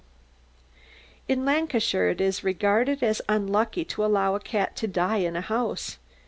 W. In Lancashire it is regarded as unlucky to allow a cat to die in a house.